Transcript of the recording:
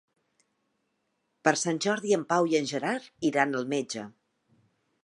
Per Sant Jordi en Pau i en Gerard iran al metge.